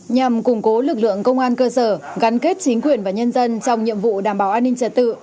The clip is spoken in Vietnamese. nhằm củng cố lực lượng công an cơ sở gắn kết chính quyền và nhân dân trong nhiệm vụ đảm bảo an ninh trật tự